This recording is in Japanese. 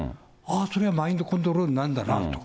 それがマインドコントロールなんだなと。